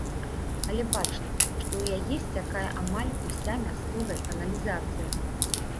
Але бачна, што ў яе сцякае амаль уся мясцовая каналізацыя.